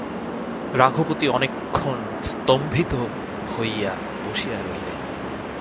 রঘুপতি অনেক ক্ষণ স্তম্ভিত ইহায়া বসিয়া রহিলেন।